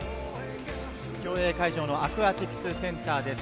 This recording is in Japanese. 競泳会場のアクアティクスセンターです。